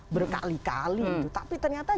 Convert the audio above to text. berkali kali tapi ternyata